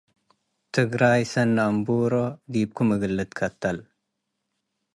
ትግራይ ሰኒ አምቡሮ - ዲብኩም እግል ልትከተል